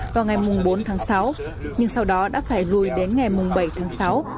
vào ngày bốn tháng sáu nhưng sau đó đã phải lùi đến ngày bảy tháng sáu